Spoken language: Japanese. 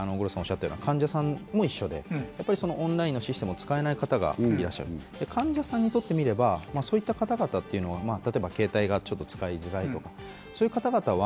そこはさっき五郎さんがおっしゃった患者さんも一緒でオンラインのシステムを使えない方がいらっしゃる、患者さんにとってみればそういった方々というのは携帯が使いづらいとか、そういう方々は